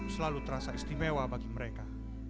selalu terasa istimewa bagi mereka